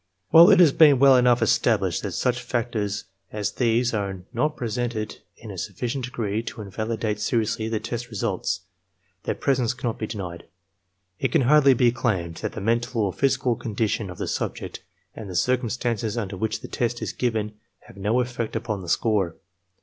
While it has been well enough established that such factors as these are not present in a sufficient degree to invalidate seriously the test results, their presence cannot be denied. It can hardly be claimed that the mental or physical condition of the subject and the circumstances under which the test is given have no effect upon the score.